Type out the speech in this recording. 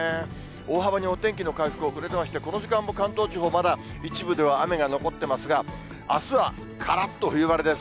大幅にお天気の回復が遅れてまして、この時間も関東地方、まだ一部では雨が残っていますが、あすはからっと冬晴れです。